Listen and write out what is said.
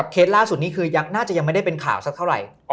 เคสล่าสุดนี้คือยังน่าจะยังไม่ได้เป็นข่าวสักเท่าไหร่